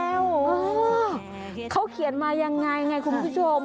อ้าวเขาเขียนมายังไงคุณผู้ชม